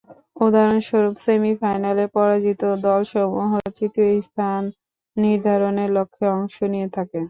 উদাহরণস্বরূপ: সেমি-ফাইনালে পরাজিত দলসমূহ তৃতীয় স্থান নির্ধারণের লক্ষ্যে অংশ নিয়ে থাকে।